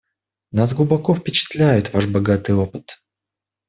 Нас глубоко впечатляет ваш богатый опыт.